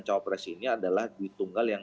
cawapres ini adalah duit tunggal yang